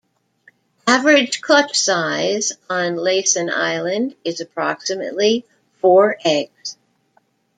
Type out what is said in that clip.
Average clutch size on Laysan Island is approximately four eggs.